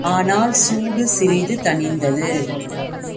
ஆனால், சூடு சிறிது தணிந்தது.